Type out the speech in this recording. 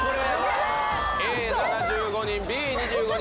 Ａ７５人Ｂ２５人。